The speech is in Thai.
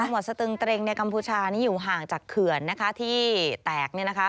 หมอสตึงเตรงกัมพูชานี่อยู่ห่างจากเขื่อนที่แตก